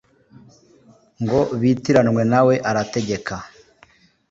ngo bitiranwe nawe arategeka.